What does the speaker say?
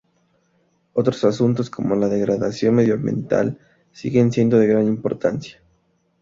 Otros asuntos como la degradación medioambiental siguen siendo de gran importancia.